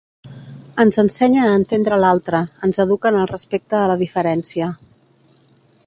Ens ensenya a entendre l’altre, ens educa en el respecte a la diferència.